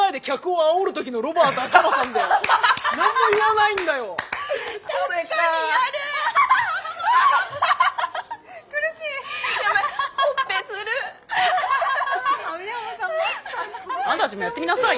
あんたたちもやってみなさいよ。